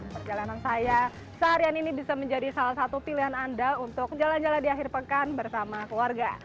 perjalanan saya seharian ini bisa menjadi salah satu pilihan anda untuk jalan jalan di akhir pekan bersama keluarga